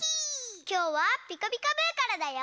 きょうは「ピカピカブ！」からだよ。